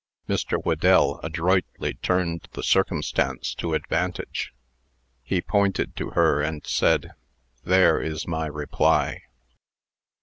Mr. Whedell adroitly turned the circumstance to advantage. He pointed to her, and said, "There is my reply."